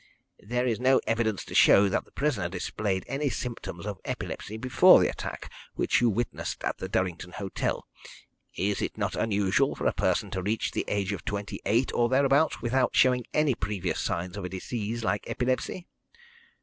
"There is no evidence to show that the prisoner displayed any symptoms of epilepsy before the attack which you witnessed at the Durrington hotel. Is it not unusual for a person to reach the age of twenty eight or thereabouts without showing any previous signs of a disease like epilepsy?"